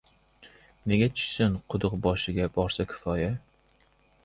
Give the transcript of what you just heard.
— Nega tushsin? Quduq boshiga borsa kifoya.